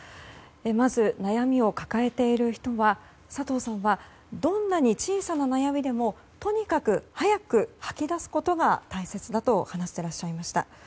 まず、悩みを抱えている人は佐藤さんはどんなに小さな悩みでもとにかく早く吐き出すことが大切だと話していらっしゃいました。